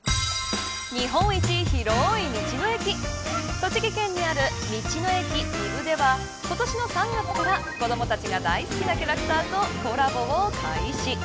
栃木県にある道の駅みぶでは今年の３月から子どもたちが大好きなキャラクターとコラボを開始。